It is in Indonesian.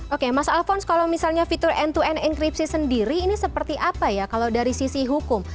oke mas alphonse kalau misalnya fitur end to end enkripsi sendiri ini seperti apa ya kalau dari sisi hukum